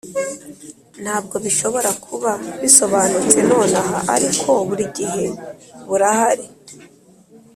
ntabwo bishobora kuba bisobanutse nonaha, ariko burigihe burahari.